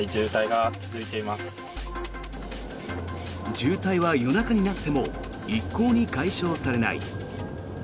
渋滞は夜中になっても一向に解消されない。